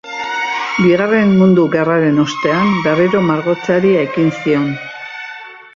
Bigarren Mundu Gerraren ostean berriro margotzeari ekin zion.